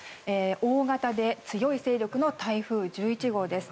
大型で強い勢力の台風１１号です。